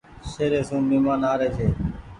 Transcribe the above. شهري سون مهمان آري ڇي۔